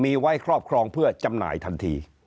มีไว้ครอบครองเพื่อจำหน่ายทันที